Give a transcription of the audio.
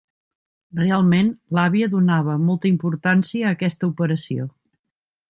Realment l'àvia donava molta importància a aquesta operació.